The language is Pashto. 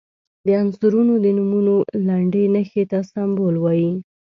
د عنصرونو د نومونو لنډي نښې ته سمبول وايي.